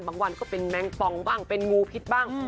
วันก็เป็นแมงปองบ้างเป็นงูพิษบ้าง